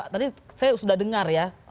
tadi saya sudah dengar ya